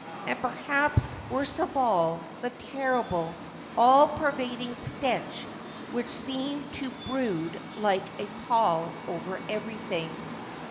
And perhaps — worst of all — the terrible, all pervading stench which seemed to brood like a pall over everything.